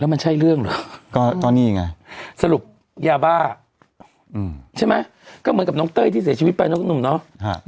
แล้วมันใช่เรื่องหรอก็ตอนนี้ไงสรุปอย่าบ้าอืมใช่ไหมก็เหมือนกับน้องเต้ยที่เสียชีวิตไปนักหนุ่มเนอะฮะ